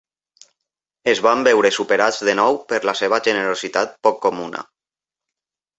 Es van veure superats de nou per la seva generositat poc comuna.